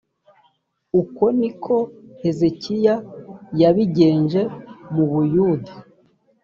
uko ni ko hezekiya yabigenje mu buyuda